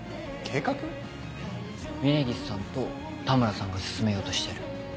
峰岸さんと田村さんが進めようとしてる。